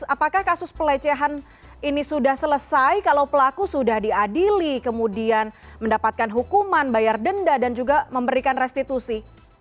apakah kasus pelecehan ini sudah selesai kalau pelaku sudah diadili kemudian mendapatkan hukuman bayar denda dan juga memberikan restitusi